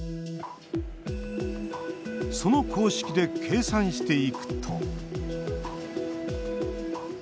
その公式で計算していくと。